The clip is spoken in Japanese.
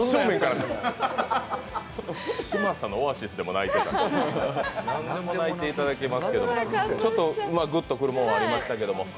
嶋佐のＯａｓｉｓでも泣いてたし何でも泣いていただけますけど、ちょっとグッとくるものがありましたけど。